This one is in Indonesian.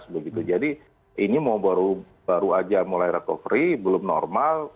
begitu jadi ini mau baru aja mulai recovery belum normal